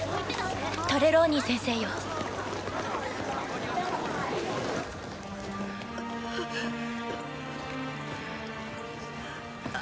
トレローニー先生ようっうっあ